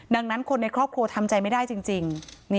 ดังนั้นคนในครอบครัวทำใจไม่ได้จริง